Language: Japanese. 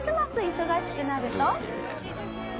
忙しくなると」